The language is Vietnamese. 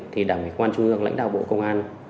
thì đảng ủy quan trung ương lãnh đạo bộ công an